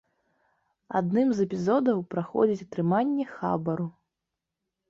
Адным з эпізодаў праходзіць атрыманне хабару.